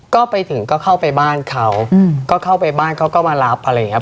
ก็ไปถึงก็เข้าไปบ้านเขาก็เข้าไปบ้านเขาก็มารับอะไรอย่างนี้